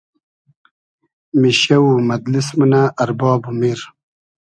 میشیۂ و مئدلیس مونۂ ارباب و میر